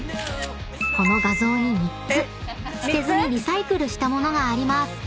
［この画像に３つ捨てずにリサイクルした物があります］